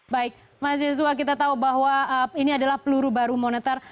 baik mas yusua kita tahu bahwa ini adalah peluru baru moneter